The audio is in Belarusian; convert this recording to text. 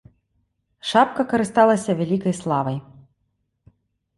Шапка карысталася вялікай славай.